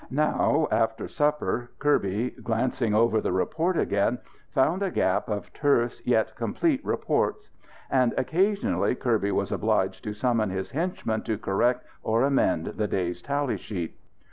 Now, after supper, Kirby, glancing over the report again, found a gap of terse yet complete reports. And occasionally Kirby was obliged to summon his henchman to correct or amend the day's tally sheet.